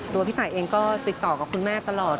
พี่ตายเองก็ติดต่อกับคุณแม่ตลอด